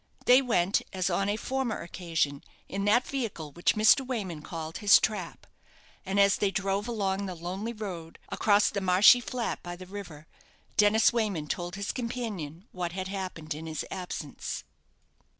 They went, as on a former occasion, in that vehicle which Mr. Wayman called his trap; and as they drove along the lonely road, across the marshy flat by the river, Dennis Wayman told his companion what had happened in his absence.